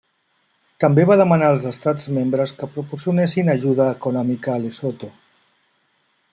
També va demanar als Estats membres que proporcionessin ajuda econòmica a Lesotho.